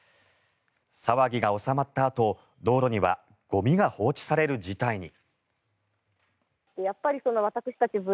騒ぎが収まったあと、道路にはゴミが放置される事態に。